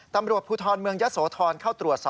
ตำรวจภูทรเมืองยะโสธรเข้าตรวจสอบ